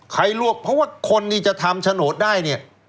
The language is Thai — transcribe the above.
ใครร่วมเพราะว่าคนนี้จะทำฉโนตได้เนี่ย